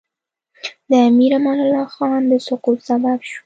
د امیر امان الله خان د سقوط سبب شو.